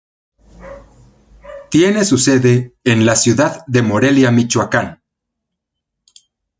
Tiene su sede en la ciudad de Morelia, Michoacán.